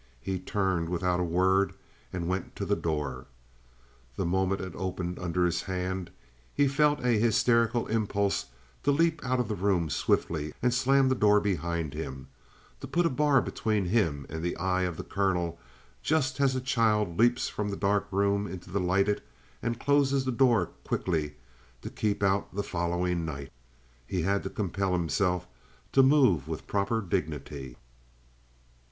He turned without a word and went to the door. The moment it opened under his hand, he felt a hysterical impulse to leap out of the room swiftly and slam the door behind him to put a bar between him and the eye of the colonel, just as a child leaps from the dark room into the lighted and closes the door quickly to keep out the following night. He had to compel himself to move with proper dignity.